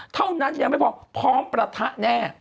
เท่านั้นยังไม่พอพร้อมประทะแน่